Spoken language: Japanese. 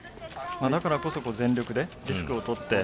だからこそ全力でリスクをとって。